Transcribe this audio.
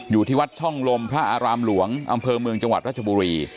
อยู่ที่วัดช่องลมพระอารามหลวงอำเภอเมืองจังหวัดรัชบุรี